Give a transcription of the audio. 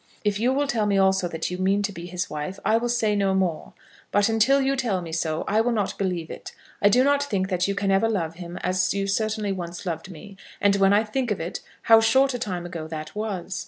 If you will tell me also that you mean to be his wife, I will say no more. But until you tell me so, I will not believe it. I do not think that you can ever love him as you certainly once loved me; and when I think of it, how short a time ago that was!